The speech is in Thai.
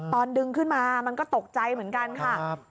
ตอนดึงขึ้นมามันก็ตกใจเหมือนกันค่ะ